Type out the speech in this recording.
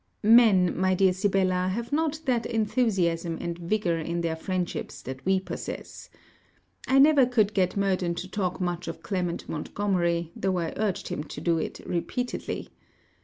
Men, my dear Sibella, have not that enthusiasm and vigour in their friendships that we possess. I never could get Murden to talk much of Clement Montgomery, though I urged him to it repeatedly.